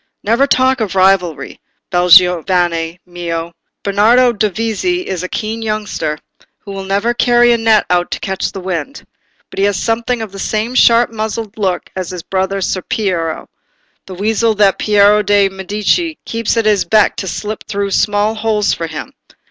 "Never talk of rivalry, bel giovane mio: Bernardo Dovizi is a keen youngster, who will never carry a net out to catch the wind; but he has something of the same sharp muzzled look as his brother Ser Piero, the weasel that Piero de' Medici keeps at his beck to slip through small holes for him.